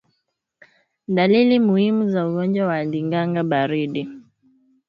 Dalili muhimu za ugonjwa wa ndigana baridi